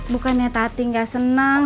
bukannya tati gak seneng